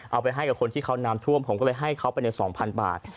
เอาไปให้กับคนที่เขาน้ำท่วมผมก็เลยให้เขาไปใน๒๐๐บาท